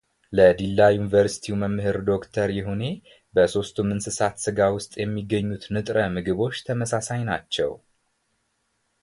ለዲላ ዩኒቨርስቲው መምህር ዶክተር ይሁኔ በሦስቱም እንስሳት ሥጋ ውስጥ የሚገኙት ንጥረ ምግቦች ተመሳሳይ ናቸው።